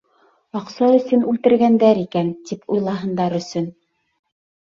Аҡса өсөн үлтергәндәр икән, тип уйлаһындар өсөн...